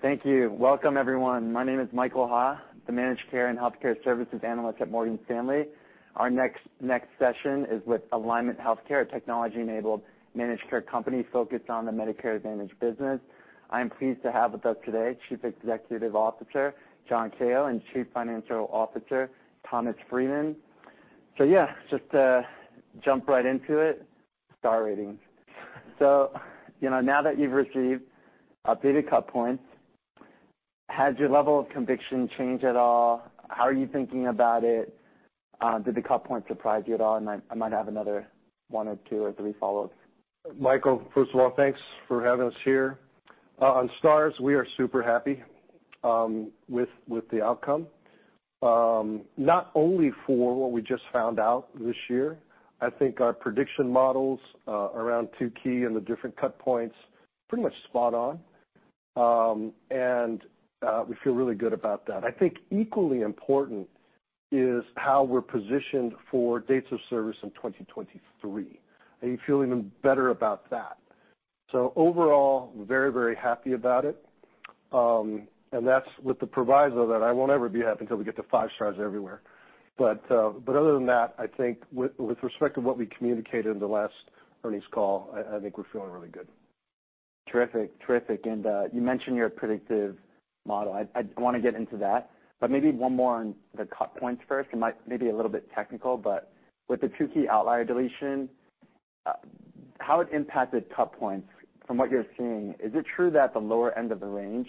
Thank you. Welcome, everyone. My name is Michael Ha, the Managed Care and Healthcare Services analyst at Morgan Stanley. Our next session is with Alignment Healthcare, a technology-enabled managed care company focused on the Medicare Advantage business. I am pleased to have with us today Chief Executive Officer John Kao and Chief Financial Officer Thomas Freeman. So yeah, just to jump right into it, Star Ratings. So, you know, now that you've received updated cut points, has your level of conviction changed at all? How are you thinking about it? Did the cut point surprise you at all? I might have another one or two or three follow-ups. Michael, first of all, thanks for having us here. On stars, we are super happy with the outcome. Not only for what we just found out this year, I think our prediction models around two key and the different cut points, pretty much spot on. We feel really good about that. I think equally important is how we're positioned for dates of service in 2023, and you feel even better about that. So overall, very, very happy about it. That's with the proviso that I won't ever be happy until we get to five stars everywhere. But other than that, I think with respect to what we communicated in the last earnings call, I think we're feeling really good. Terrific, terrific. You mentioned your predictive model. I wanna get into that, but maybe one more on the cut points first. It might be a little bit technical, but with the two key outlier deletion, how it impacted cut points from what you're seeing, is it true that the lower end of the range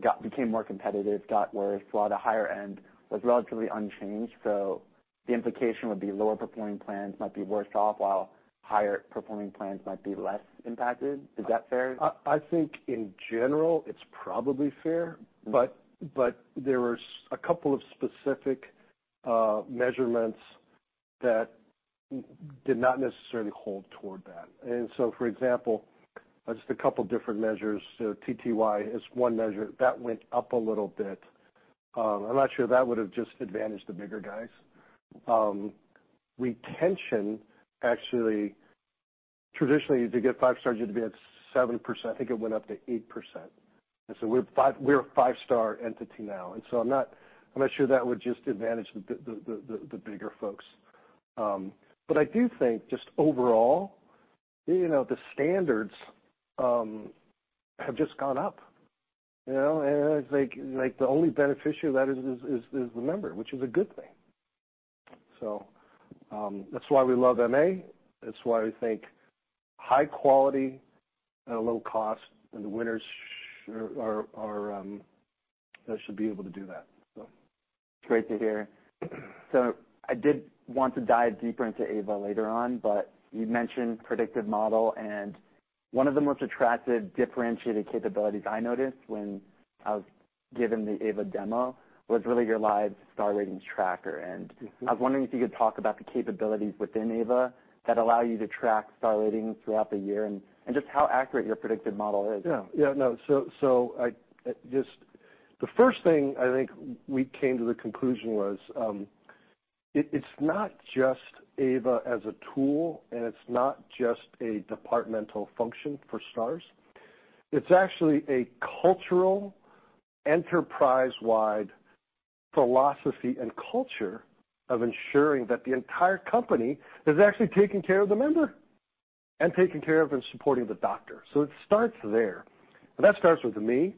got became more competitive, got worse, while the higher end was relatively unchanged? So the implication would be lower performing plans might be worse off, while higher performing plans might be less impacted. Is that fair? I think in general, it's probably fair, but there were a couple of specific measurements that did not necessarily hold toward that. For example, just a couple of different measures. So TTY is one measure that went up a little bit. I'm not sure that would have just advantaged the bigger guys. Retention, actually, traditionally, to get five stars, you had to be at 7%, I think it went up to 8%. We're a five-star entity now, and so I'm not sure that would just advantage the bigger folks. But I do think just overall, you know, the standards have just gone up, you know? I think, like, the only beneficiary of that is the member, which is a good thing. So, that's why we love MA. That's why we think high quality and a low cost, and the winners, they should be able to do that. So. It's great to hear. So I did want to dive deeper into AVA later on, but you mentioned predictive model, and one of the most attractive differentiated capabilities I noticed when I was given the AVA demo, was really your live Star Ratings tracker. I was wondering if you could talk about the capabilities within AVA that allow you to track Star Ratings throughout the year, and just how accurate your predictive model is? Yeah. Yeah, no. So, I just... The first thing I think we came to the conclusion was, it, it's not just AVA as a tool, and it's not just a departmental function for stars. It's actually a cultural, enterprise-wide philosophy and culture of ensuring that the entire company is actually taking care of the member, and taking care of and supporting the doctor. So it starts there. But that starts with me,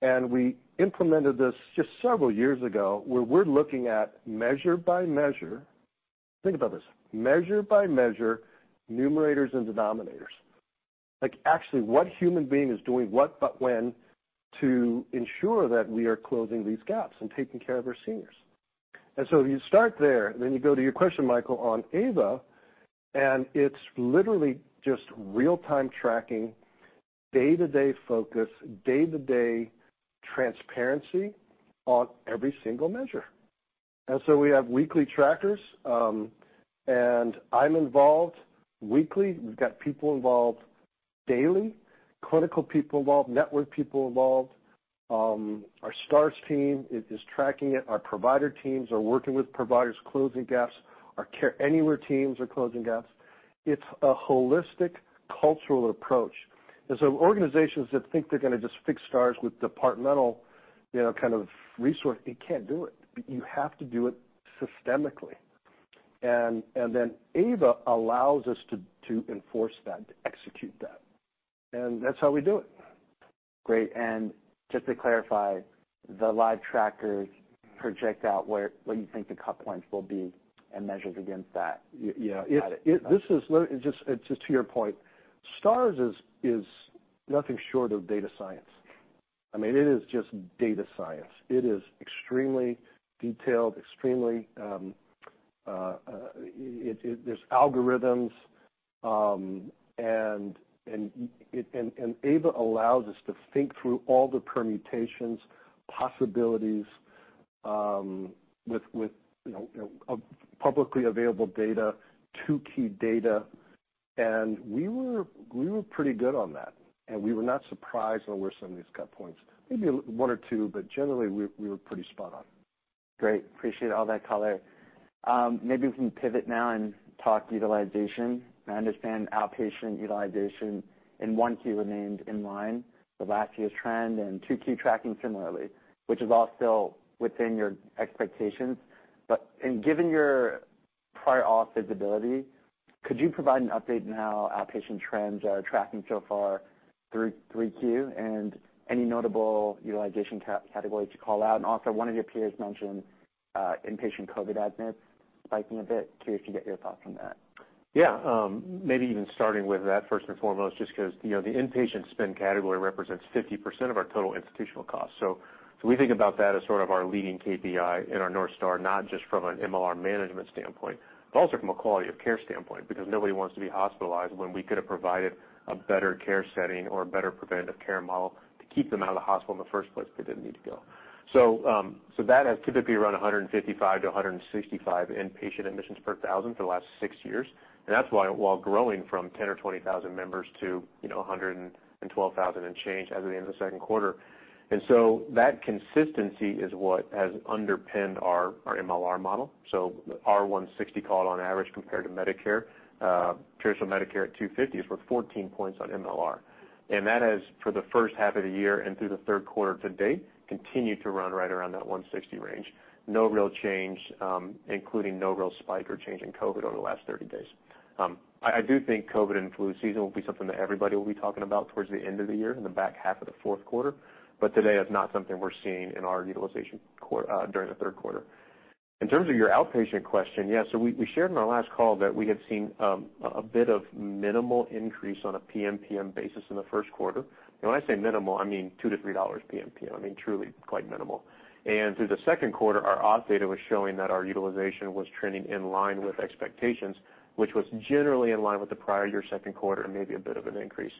and we implemented this just several years ago, where we're looking at measure by measure. Think about this, measure by measure, numerators and denominators. Like, actually, what human being is doing what, but when, to ensure that we are closing these gaps and taking care of our seniors? You start there, and then you go to your question, Michael, on AVA, and it's literally just real-time tracking, day-to-day focus, day-to-day transparency on every single measure. We have weekly trackers, and I'm involved weekly. We've got people involved daily, clinical people involved, network people involved. Our stars team is tracking it. Our provider teams are working with providers, closing gaps. Our Care Anywhere teams are closing gaps. It's a holistic cultural approach. Organizations that think they're gonna just fix stars with departmental, you know, kind of resource, it can't do it. You have to do it systemically. AVA allows us to enforce that, to execute that, and that's how we do it. Great. Just to clarify, the live trackers project out where, where you think the cut points will be and measures against that? Yeah. Got it. This is just to your point, stars is nothing short of data science. I mean, it is just data science. It is extremely detailed, extremely, there's algorithms, and AVA allows us to think through all the permutations, possibilities, with you know, you know, publicly available data, two key data, and we were pretty good on that. We were not surprised on where some of these cut points. Maybe one or two, but generally, we were pretty spot on. Great. Appreciate all that color. Maybe we can pivot now and talk utilization. I understand outpatient utilization in 1Q remained in line with last year's trend, and 2Q tracking similarly, which is all still within your expectations. But, given your prior off visibility, could you provide an update on how outpatient trends are tracking so far through 3Q, and any notable utilization categories to call out? Also, one of your peers mentioned inpatient COVID admits spiking a bit. Curious to get your thoughts on that. Yeah, maybe even starting with that first and foremost, just 'cause, you know, the inpatient spend category represents 50% of our total institutional cost. So we think about that as sort of our leading KPI and our North Star, not just from an MLR management standpoint, but also from a quality of care standpoint, because nobody wants to be hospitalized when we could have provided a better care setting or a better preventative care model to keep them out of the hospital in the first place if they didn't need to go. That has typically run 155-165 inpatient admissions per thousand for the last six years, and that's why, while growing from 10 or 20,000 members to, you know, 112,000 and change as of the end of the second quarter. That consistency is what has underpinned our MLR model. So our 160 call on average compared to Medicare, traditional Medicare at 250 is worth 14 points on MLR. That has, for the first half of the year and through the third quarter to date, continued to run right around that 160 range. No real change, including no real spike or change in COVID over the last 30 days. I do think COVID and flu season will be something that everybody will be talking about towards the end of the year, in the back half of the fourth quarter, but today, that's not something we're seeing in our utilization during the third quarter. In terms of your outpatient question, yeah, so we shared in our last call that we had seen a bit of minimal increase on a PMPM basis in the first quarter. When I say minimal, I mean $2-$3 PMPM. I mean, truly quite minimal. Through the second quarter, our auth data was showing that our utilization was trending in line with expectations, which was generally in line with the prior year second quarter, and maybe a bit of an increase.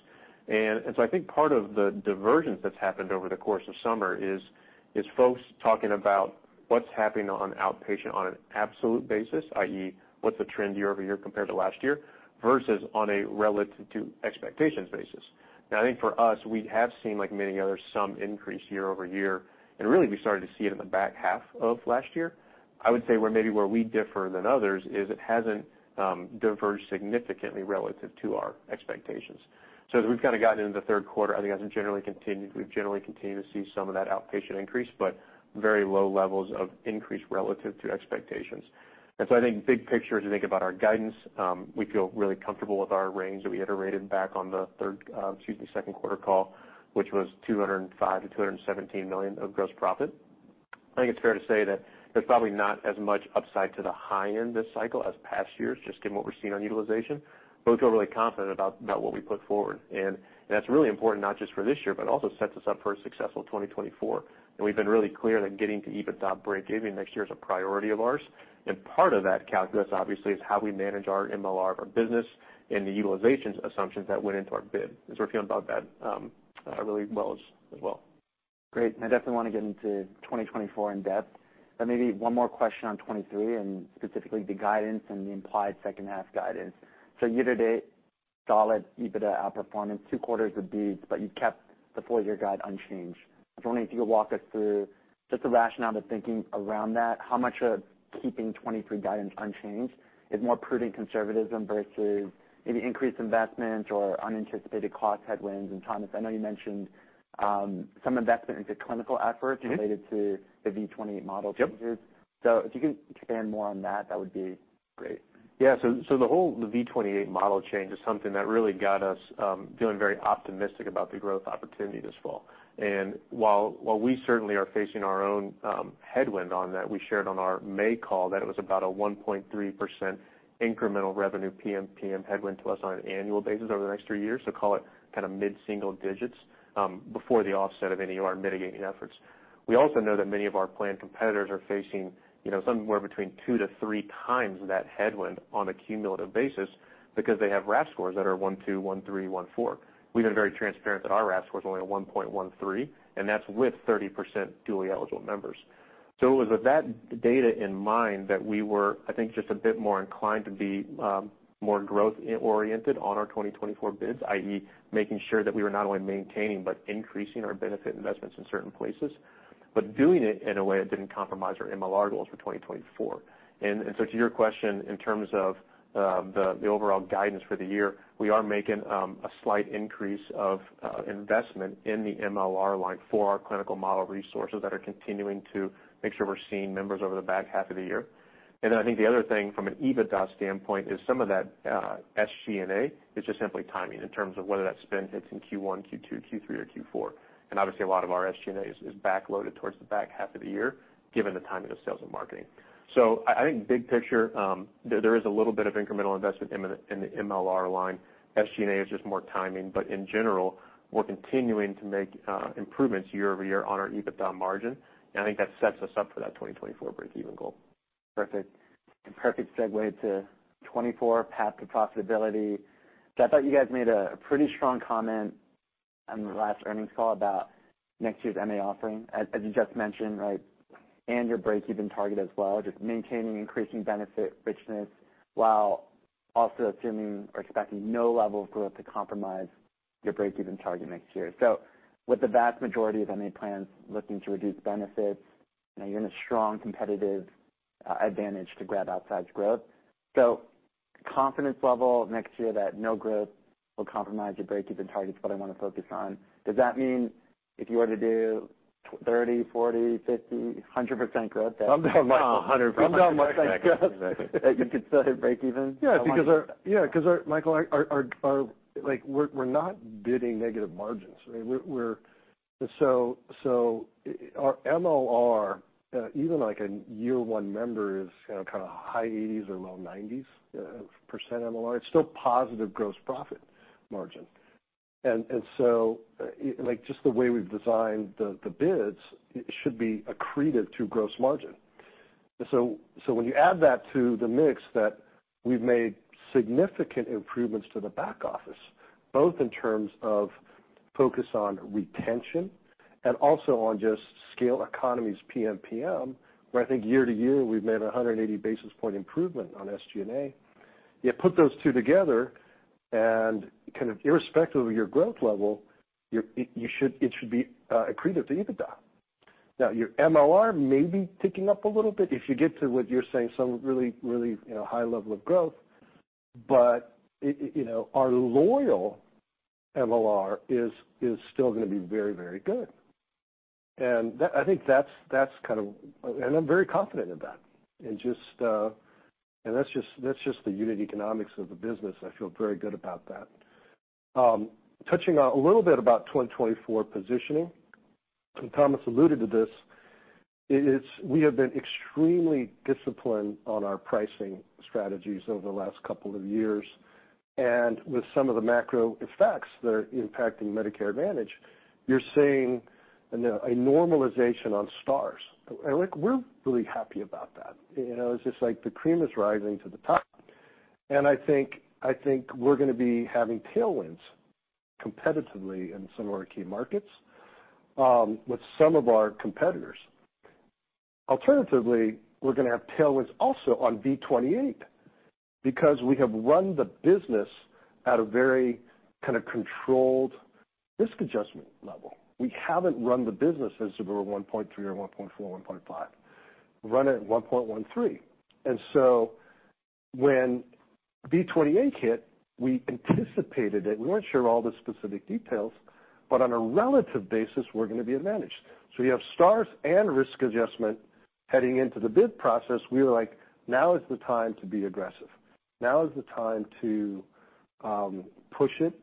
I think part of the divergence that's happened over the course of summer is folks talking about what's happening on outpatient on an absolute basis, i.e., what's the trend year-over-year compared to last year, versus on a relative to expectations basis. Now, I think for us, we have seen, like many others, some increase year-over-year, and really, we started to see it in the back half of last year. I would say where maybe where we differ than others is it hasn't diverged significantly relative to our expectations. So as we've kind of gotten into the third quarter, I think as we generally continue-- we've generally continued to see some of that outpatient increase, but very low levels of increase relative to expectations. I think big picture, as you think about our guidance, we feel really comfortable with our range that we iterated back on the third, second quarter call, which was $205 million-$217 million of gross profit. I think it's fair to say that there's probably not as much upside to the high end this cycle as past years, just given what we're seeing on utilization. But we feel really confident about what we put forward, and that's really important, not just for this year, but also sets us up for a successful 2024. We've been really clear that getting to EBITDA break even next year is a priority of ours, and part of that calculus, obviously, is how we manage our MLR of our business and the utilizations assumptions that went into our bid, and so we're feeling about that really well as well. Great. I definitely want to get into 2024 in depth, but maybe one more question on 2023, and specifically the guidance and the implied second half guidance. So year to date, solid EBITDA outperformance, two quarters of these, but you kept the full year guide unchanged. I was wondering if you could walk us through just the rationale and the thinking around that. How much of keeping 2023 guidance unchanged is more prudent conservatism versus maybe increased investment or unanticipated cost headwinds? And Thomas, I know you mentioned some investment into clinical efforts related to the V28 model changes. Yep. If you could expand more on that, that would be great. Yeah. So the whole, the V28 model change is something that really got us feeling very optimistic about the growth opportunity this fall. While we certainly are facing our own headwind on that, we shared on our May call that it was about a 1.3% incremental revenue PMPM headwind to us on an annual basis over the next three years. So call it kind of mid-single digits before the offset of any of our mitigating efforts. We also know that many of our planned competitors are facing, you know, somewhere between 2x-3x that headwind on a cumulative basis because they have RAF scores that are 1.2, 1.3, 1.4. We've been very transparent that our RAF score is only a 1.13, and that's with 30% dually eligible members. So it was with that data in mind that we were, I think, just a bit more inclined to be more growth-oriented on our 2024 bids, i.e., making sure that we were not only maintaining, but increasing our benefit investments in certain places, but doing it in a way that didn't compromise our MLR goals for 2024. And so to your question, in terms of the overall guidance for the year, we are making a slight increase of investment in the MLR line for our clinical model resources that are continuing to make sure we're seeing members over the back half of the year. Then I think the other thing from an EBITDA standpoint is some of that SG&A is just simply timing in terms of whether that spend hits in Q1, Q2, Q3 or Q4. Obviously, a lot of our SG&A is backloaded towards the back half of the year, given the timing of sales and marketing. So I think big picture, there is a little bit of incremental investment in the MLR line. SG&A is just more timing, but in general, we're continuing to make improvements year-over-year on our EBITDA margin, and I think that sets us up for that 2024 break even goal. Perfect. Perfect segue to 2024 path to profitability. So I thought you guys made a pretty strong comment on the last earnings call about next year's MA offering, as you just mentioned, right? Your break-even target as well, just maintaining, increasing benefit richness also assuming or expecting no level of growth to compromise your breakeven target next year. So with the vast majority of MA plans looking to reduce benefits, now you're in a strong competitive advantage to grab outsized growth. So confidence level next year that no growth will compromise your breakeven target is what I wanna focus on. Does that mean if you were to do 30%, 40%, 50%, 100% growth. I'm doing like 100%. You could still hit breakeven? Yeah, because our, Michael, our, like, we're not bidding negative margins, right? We're... So, our MLR, even like a year one member, is kind of high 80s or low 90s% MLR. It's still positive gross profit margin. Like, just the way we've designed the bids, it should be accretive to gross margin. So when you add that to the mix, that we've made significant improvements to the back office, both in terms of focus on retention and also on just scale economies PMPM, where I think year-over-year, we've made a 100 basis point improvement on SG&A. You put those two together, and kind of irrespective of your growth level, you should-- it should be accretive to EBITDA. Now, your MLR may be ticking up a little bit if you get to what you're saying, some really, really, you know, high level of growth. But, you know, our loyal MLR is still gonna be very, very good. And that, I think that's kind of. I'm very confident in that. Just, and that's just the unit economics of the business. I feel very good about that. Touching a little bit about 2024 positioning, and Thomas alluded to this, it is we have been extremely disciplined on our pricing strategies over the last couple of years. With some of the macro effects that are impacting Medicare Advantage, you're seeing a normalization on stars. Like, we're really happy about that. You know, it's just like the cream is rising to the top. I think, I think we're gonna be having tailwinds competitively in some of our key markets, with some of our competitors. Alternatively, we're gonna have tailwinds also on V28, because we have run the business at a very kind of controlled risk adjustment level. We haven't run the business as if we were 1.3 or 1.4, 1.5. We run it at 1.13. When V28 hit, we anticipated it. We weren't sure all the specific details, but on a relative basis, we're gonna be advantaged. So you have stars and risk adjustment heading into the bid process, we were like, "Now is the time to be aggressive. Now is the time to push it."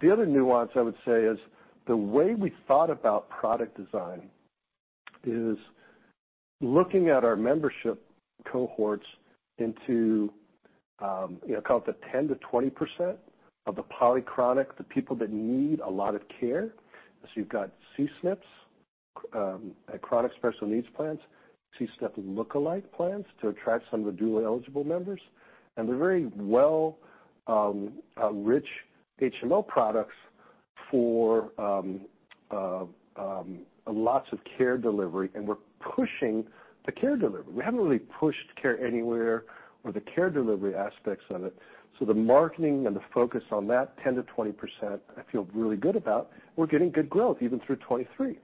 The other nuance I would say is, the way we thought about product design is looking at our membership cohorts into, you know, call it the 10%-20% of the polychronic, the people that need a lot of care. So you've got CSNPs, chronic special needs plans, CSTEP lookalike plans to attract some of the dually eligible members. They're very well rich HMO products for lots of care delivery, and we're pushing the care delivery. We haven't really pushed Care Anywhere or the care delivery aspects of it, so the marketing and the focus on that 10%-20%, I feel really good about. We're getting good growth, even through 2023.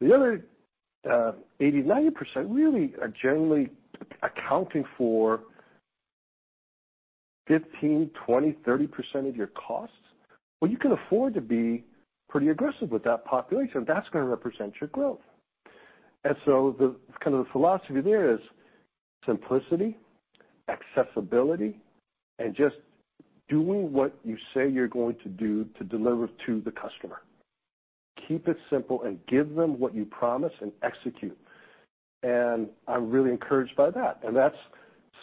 The other 80%-90% really are generally accounting for 15%-30% of your costs. Well, you can afford to be pretty aggressive with that population. That's gonna represent your growth. And so the kind of the philosophy there is simplicity, accessibility, and just doing what you say you're going to do to deliver to the customer. Keep it simple and give them what you promise and execute. I'm really encouraged by that, and that's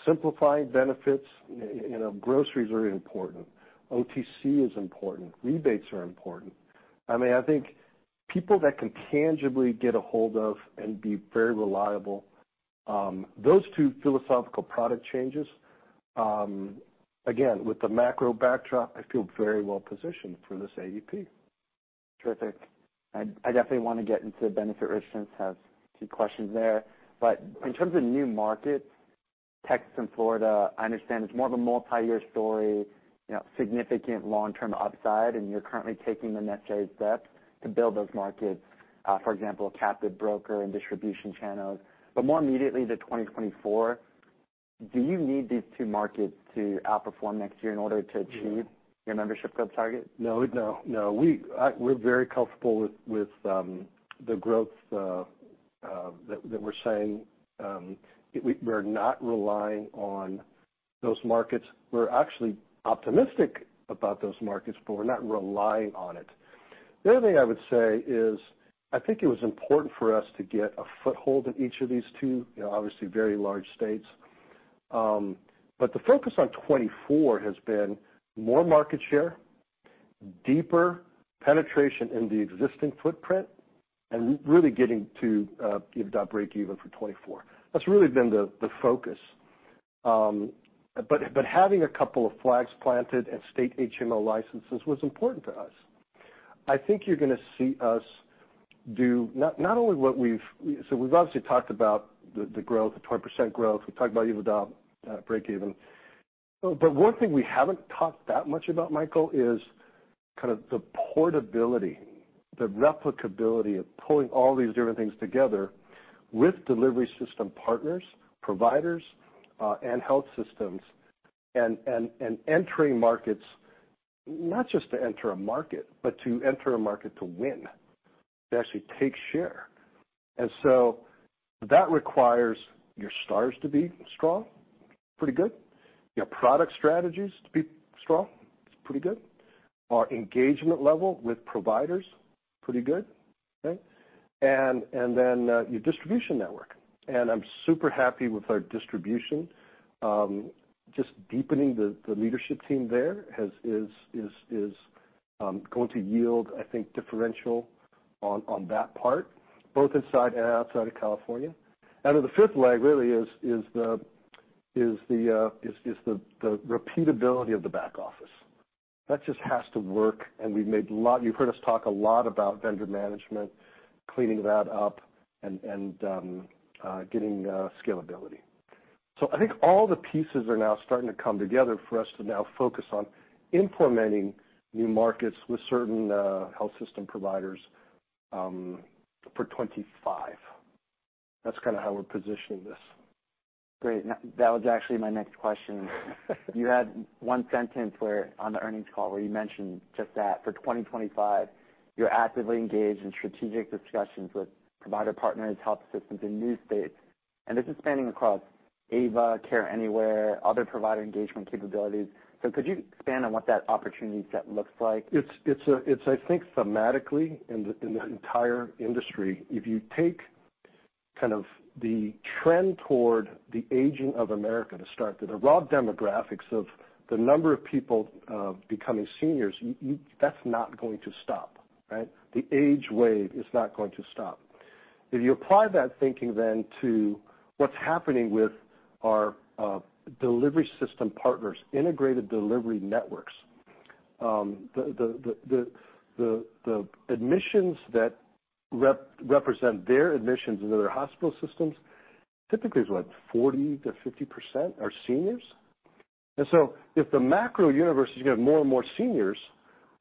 simplifying benefits. You know, groceries are important, OTC is important, rebates are important. I mean, I think people that can tangibly get a hold of and be very reliable, those two philosophical product changes, again, with the macro backdrop, I feel very well positioned for this AEP. Terrific. I, I definitely want to get into benefit richness, have a few questions there. But in terms of new markets, Texas and Florida, I understand it's more of a multi-year story, you know, significant long-term upside, and you're currently taking the necessary steps to build those markets, for example, captive broker and distribution channels. But more immediately, the 2024, do you need these two markets to outperform next year in order to achieve your membership growth target? No, no, no. We're very comfortable with the growth that we're saying. We're not relying on those markets. We're actually optimistic about those markets, but we're not relying on it. The other thing I would say is, I think it was important for us to get a foothold in each of these two, you know, obviously very large states. But the focus on 2024 has been more market share, deeper penetration in the existing footprint, and really getting to EBITDA breakeven for 2024. That's really been the focus. But having a couple of flags planted and state HMO licenses was important to us. I think you're gonna see us do not only so we've obviously talked about the growth, the 20% growth. We've talked about EBITDA breakeven. But one thing we haven't talked that much about, Michael, is kind of the portability, the replicability of pulling all these different things together with delivery system partners, providers, and health systems, and entering markets, not just to enter a market, but to enter a market to win, to actually take share. And so that requires your stars to be strong, pretty good; your product strategies to be strong, it's pretty good; our engagement level with providers, pretty good, okay? Your distribution network, and I'm super happy with our distribution. Just deepening the leadership team there is going to yield, I think, differential on that part, both inside and outside of California. The fifth leg really is the repeatability of the back office. That just has to work, and we've made a lot... You've heard us talk a lot about vendor management, cleaning that up, and getting scalability. So I think all the pieces are now starting to come together for us to now focus on implementing new markets with certain health system providers for 25. That's kind of how we're positioning this. Great. Now, that was actually my next question. You had one sentence where, on the earnings call, where you mentioned just that, for 2025, you're actively engaged in strategic discussions with provider partners, health systems in new states, and this is spanning across AVA, Care Anywhere, other provider engagement capabilities. So could you expand on what that opportunity set looks like? It's I think thematically in the entire industry, if you take kind of the trend toward the aging of America to start, the raw demographics of the number of people becoming seniors, that's not going to stop, right? The age wave is not going to stop. If you apply that thinking then to what's happening with our delivery system partners, integrated delivery networks, the admissions that represent their admissions into their hospital systems, typically is what? 40%-50% are seniors. If the macro universe is going to have more and more seniors,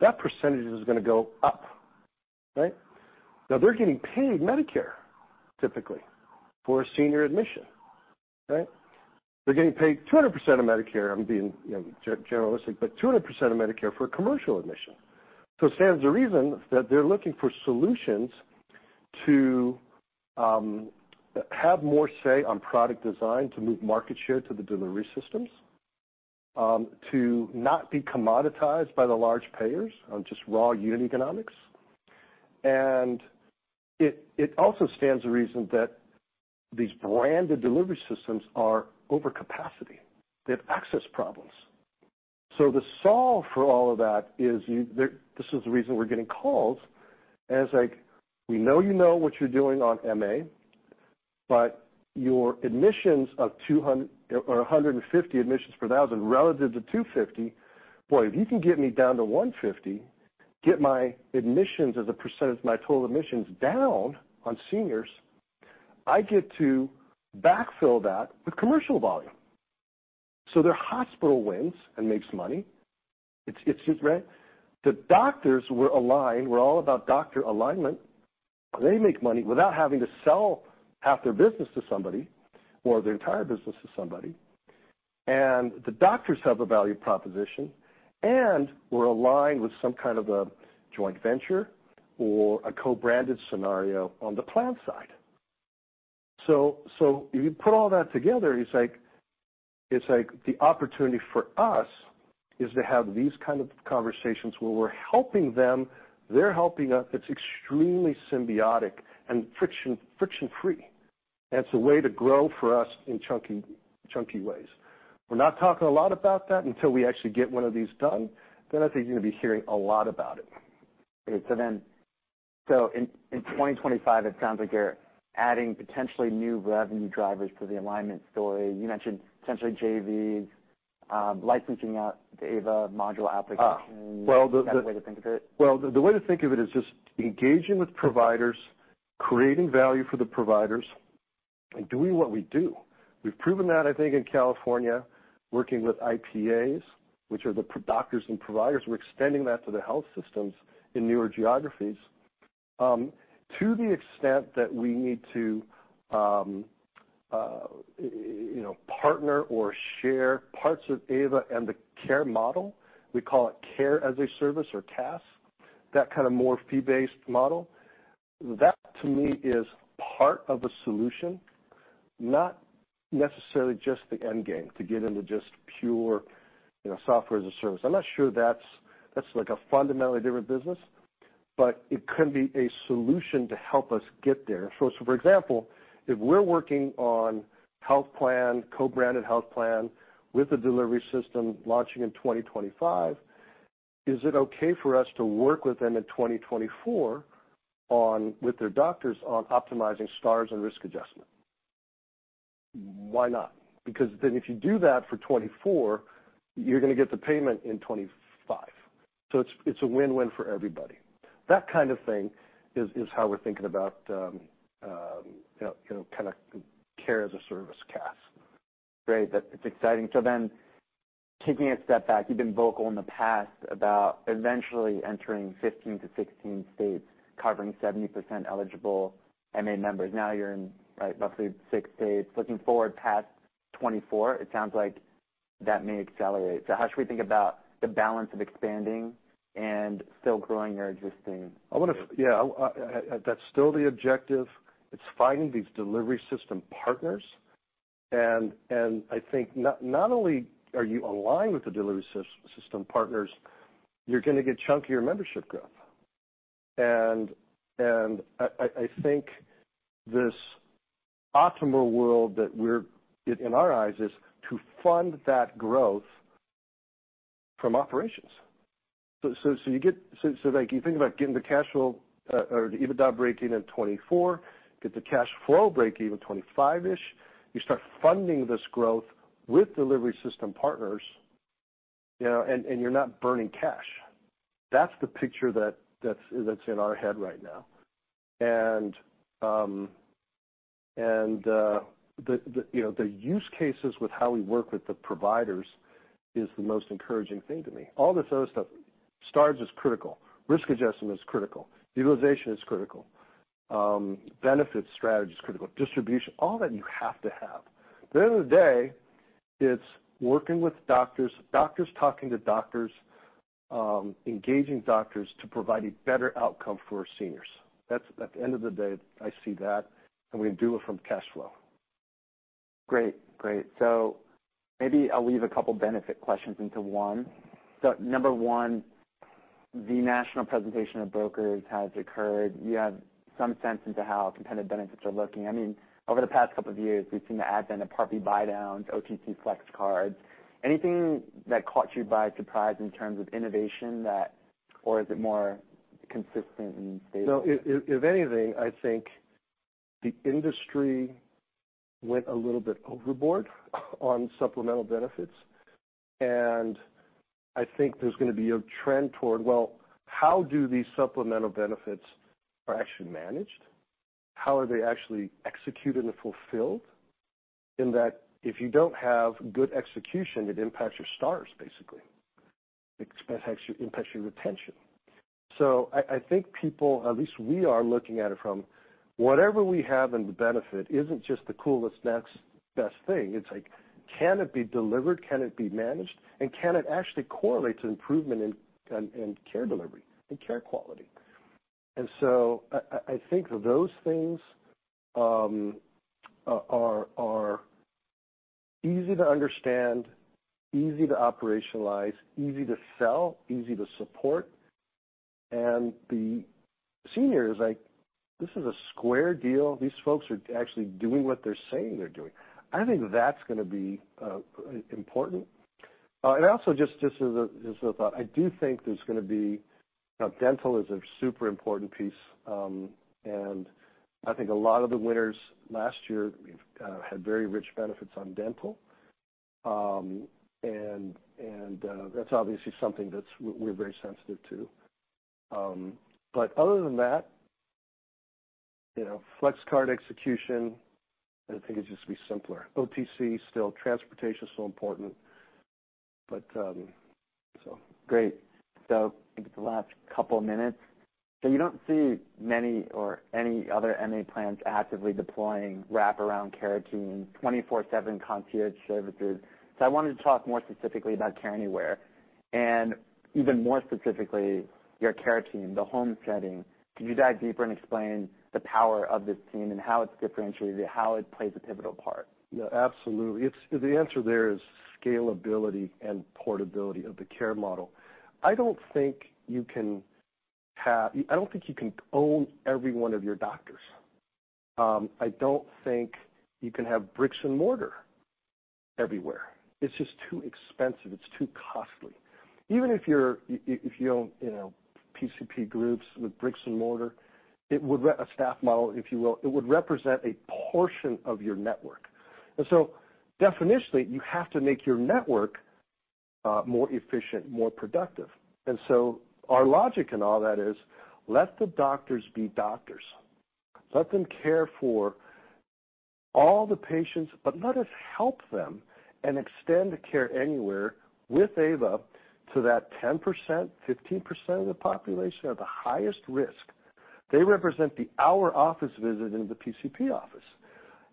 that percentage is gonna go up, right? Now, they're getting paid Medicare, typically, for a senior admission, right? They're getting paid 200% of Medicare. I'm being, you know, generalistic, but 200 of Medicare for a commercial admission. So it stands to reason that they're looking for solutions to have more say on product design to move market share to the delivery systems, to not be commoditized by the large payers on just raw unit economics. It also stands to reason that these branded delivery systems are over capacity. They have access problems. So the solve for all of that is there. This is the reason we're getting calls, and it's like, we know you know what you're doing on MA, but your admissions of 200 or 150 admissions per 1,000 relative to 250, boy, if you can get me down to 150, get my admissions as a percentage of my total admissions down on seniors, I get to backfill that with commercial volume. So their hospital wins and makes money. It's, it's just, right? The doctors were aligned. We're all about doctor alignment. They make money without having to sell half their business to somebody or their entire business to somebody. The doctors have a value proposition, and we're aligned with some kind of a joint venture or a co-branded scenario on the plan side. So, so if you put all that together, it's like, it's like the opportunity for us is to have these kind of conversations where we're helping them, they're helping us. It's extremely symbiotic and friction, friction-free, and it's a way to grow for us in chunky, chunky ways. We're not talking a lot about that until we actually get one of these done, then I think you're gonna be hearing a lot about it. Great. So then, in 2025, it sounds like you're adding potentially new revenue drivers to the Alignment story. You mentioned potentially JVs, licensing out the AVA module application. Is that a way to think of it? Well, the way to think of it is just engaging with providers, creating value for the providers, and doing what we do. We've proven that, I think, in California, working with IPAs, which are the doctors and providers. We're extending that to the health systems in newer geographies. To the extent that we need to, you know, partner or share parts of AVA and the care model, we call it Care as a Service or CaaS, that kind of more fee-based model, that to me is part of a solution, not necessarily just the end game to get into just pure, you know, software as a service. I'm not sure that's, that's like a fundamentally different business, but it could be a solution to help us get there. So, for example, if we're working on health plan, co-branded health plan with a delivery system launching in 2025, is it okay for us to work with them in 2024 on, with their doctors, on optimizing stars and risk adjustment? Why not? Because then if you do that for 2024, you're gonna get the payment in 2025. So it's a win-win for everybody. That kind of thing is how we're thinking about, you know, kind of care as a service, CaaS. Great, that's exciting. So then taking a step back, you've been vocal in the past about eventually entering 15-16 states, covering 70% eligible MA members. Now you're in, right, roughly 6 states. Looking forward past 2024, it sounds like that may accelerate. So how should we think about the balance of expanding and still growing your existing? I wanna, yeah, that's still the objective. It's finding these delivery system partners. I think not only are you aligned with the delivery system partners, you're gonna get chunkier membership growth. I think this optimal world that we're, in our eyes, is to fund that growth from operations. So you get. So, like, you think about getting the cash flow or the EBITDA breaking in 2024, get the cash flow breakeven 2025-ish. You start funding this growth with delivery system partners, you know, and you're not burning cash. That's the picture that's in our head right now. The you know, the use cases with how we work with the providers is the most encouraging thing to me. All this other stuff, stars is critical, risk adjustment is critical, utilization is critical, benefit strategy is critical, distribution, all that you have to have. At the end of the day, it's working with doctors, doctors talking to doctors, engaging doctors to provide a better outcome for our seniors. That's, at the end of the day, I see that, and we do it from cash flow. Great. Great. So maybe I'll weave a couple benefit questions into one. So number one, the national presentation of brokers has occurred. You have some sense into how competitive benefits are looking. I mean, over the past couple of years, we've seen the advent of Part B buy downs, OTC flex cards. Anything that caught you by surprise in terms of innovation that, or is it more consistent and stable? No, if anything, I think the industry went a little bit overboard on supplemental benefits, and I think there's gonna be a trend toward, well, how do these supplemental benefits are actually managed? How are they actually executed and fulfilled? In that, if you don't have good execution, it impacts your stars, basically. It impacts your retention. So I think people, at least we are looking at it from whatever we have in the benefit isn't just the coolest, next, best thing. It's like, can it be delivered, can it be managed, and can it actually correlate to improvement in care delivery and care quality? I think those things are easy to understand, easy to operationalize, easy to sell, easy to support. And the senior is like, "This is a square deal. These folks are actually doing what they're saying they're doing." I think that's gonna be important. And also just a thought, I do think there's gonna be... Dental is a super important piece, and I think a lot of the winners last year, we've had very rich benefits on dental. And that's obviously something that we're very sensitive to. But other than that, you know, flex card execution, I think it'd just be simpler. OTC, still transportation is so important, but so. Great. So I think it's the last couple of minutes. So you don't see many or any other MA plans actively deploying wraparound care teams, 24/7 concierge services. So I wanted to talk more specifically about Care Anywhere, and even more specifically, your care team, the home setting. Could you dive deeper and explain the power of this team and how it's differentiated, how it plays a pivotal part? Yeah, absolutely. It's the answer there is scalability and portability of the care model. I don't think you can have I don't think you can own every one of your doctors. I don't think you can have bricks and mortar everywhere. It's just too expensive, it's too costly. Even if you own, you know, PCP groups with bricks and mortar, a staff model, if you will, it would represent a portion of your network. And so definitionally, you have to make your network more efficient, more productive. And so our logic in all that is, let the doctors be doctors. Let them care for all the patients, but let us help them and extend the care anywhere with AVA to that 10%, 15% of the population are the highest risk. They represent our office visit in the PCP office.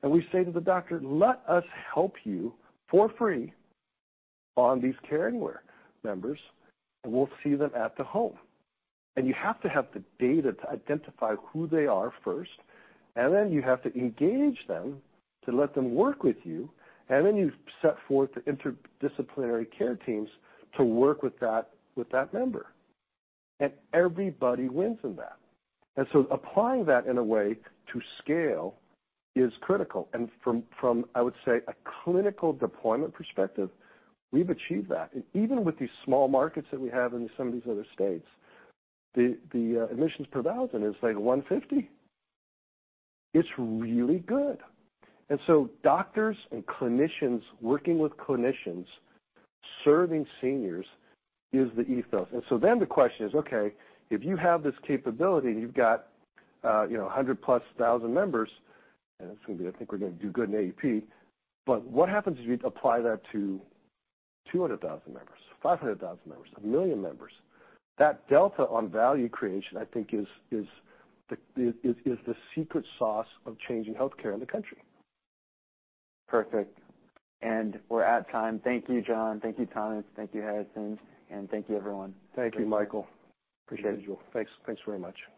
And we say to the doctor, "Let us help you for free on these Care Anywhere members, and we'll see them at the home." And you have to have the data to identify who they are first, and then you have to engage them to let them work with you, and then you set forth the interdisciplinary care teams to work with that, with that member. And everybody wins in that. And so applying that in a way to scale is critical. And from, I would say, a clinical deployment perspective, we've achieved that. Even with these small markets that we have in some of these other states, the admissions per thousand is like 150. It's really good. And so doctors and clinicians working with clinicians, serving seniors, is the ethos. So then the question is, okay, if you have this capability and you've got, you know, 100,000+ members, and it's gonna be, I think we're gonna do good in AEP, but what happens if you apply that to 200,000 members, 500,000 members, 1 million members? That delta on value creation, I think, is the secret sauce of changing healthcare in the country. Perfect, and we're at time. Thank you, John. Thank you, Thomas. Thank you, Harrison, and thank you, everyone. Thank you, Michael. Appreciate it. Thanks. Thanks very much. Thanks.